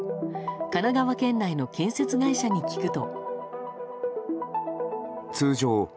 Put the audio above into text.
神奈川県内の建設会社に聞くと。